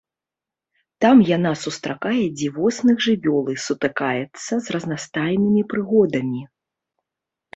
Там яна сустракае дзівосных жывёл і сутыкаецца з разнастайнымі прыгодамі.